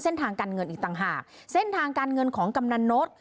เส้นทางการเงินอีกต่างหากเส้นทางการเงินของกำนันนก